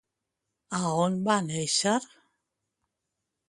A on va néixer?